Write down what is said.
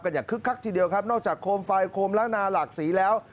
อย่างคึกคักทีเดียวครับนอกจากโคมไฟโคมล้างนาหลากสีแล้ว